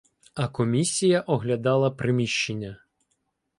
А комісія оглядала приміщення.